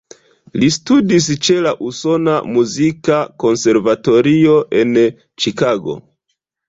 Li studis ĉe la Usona Muzika Konservatorio en Ĉikago.